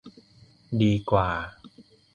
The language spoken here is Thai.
ดีกว่า